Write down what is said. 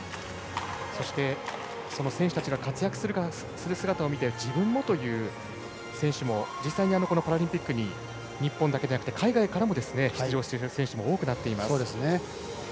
そして、選手たちの活躍する姿を見て自分もという選手も実際にこのパラリンピックに日本だけではなくて海外からも出場している選手も多くなっています。